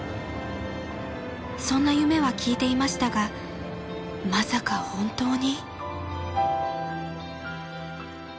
［そんな夢は聞いていましたがまさか本当に？］